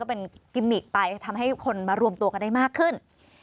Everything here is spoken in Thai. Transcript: เป็นกิมมิกไปทำให้คนมารวมตัวกันได้มากขึ้น